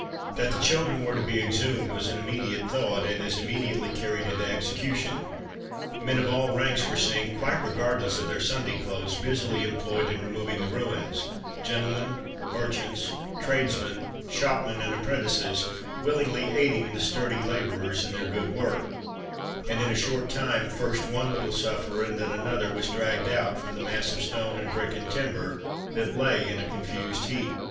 That the children were to be exhumed was an immediate thought, and as immediately carried into execution. Men of all ranks were seen, quite regardless of their Sunday clothes, busily employed in removing the ruins gentlemen, merchants, tradesmen, shopmen and apprentices, willingly aiding the sturdy labourers in their good work, and, in a short time, first one little sufferer, and then another, was dragged out from the mass of stone and brick and timber that lay in a confused heap.